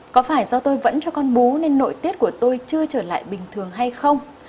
có phải do tôi vẫn cho con bú nên nội tiết của tôi chưa trở lại bình thường hay không